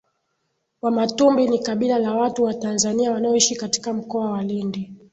Wamatumbi ni kabila la watu wa Tanzania wanaoishi katika Mkoa wa Lindi